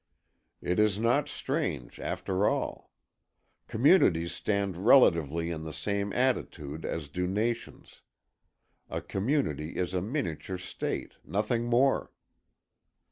It is not strange, after all. Communities stand relatively in the same attitude as do nations. A community is a miniature state, nothing more.